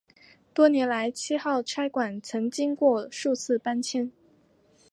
多年来七号差馆曾经过数次搬迁。